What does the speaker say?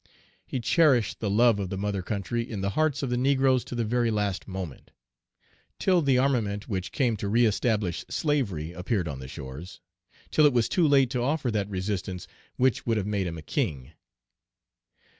He cherished the love of the mother country in the hearts of the negroes to the very last moment, till the armament which came to reëstablish slavery appeared on the shores, till it was too late to offer that resistance which would have made him a king.